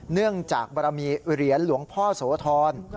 เนื่องจากบรมีเหรียญหลวงพ่อโสธร